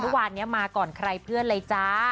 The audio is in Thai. เมื่อวานนี้มาก่อนใครเพื่อนเลยจ้า